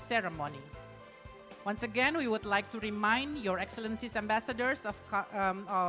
sekali lagi kami ingin mengingatkan pemerintah indonesia dan semua para penerima bahasa inggris kita